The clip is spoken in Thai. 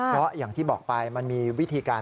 เพราะอย่างที่บอกไปมันมีวิธีการ